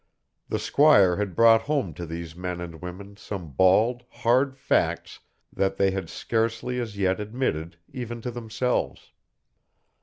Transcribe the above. The squire had brought home to these men and women some bald, hard facts that they had scarcely as yet admitted even to themselves.